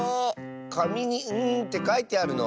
かみに「ん」ってかいてあるの？